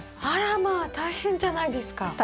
あらまあ大変じゃないですか。